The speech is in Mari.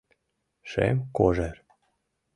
Шем кожер